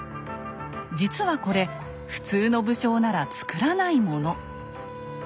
実はこれ普通の武将ならつくらないもの。